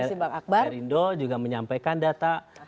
misalnya perindo juga menyampaikan data